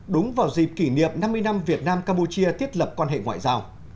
đúng vào dịp kỷ niệm năm mươi năm việt nam campuchia thiết lập quan hệ ngoại giao